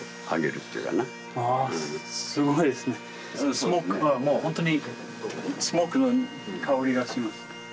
スモークがもう本当にスモークの香りがします。